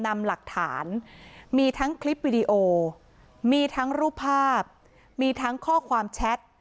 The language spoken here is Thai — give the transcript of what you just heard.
นำหลักฐานมีทั้งคลิปวิดีโอมีทั้งรูปภาพมีทั้งข้อความแชท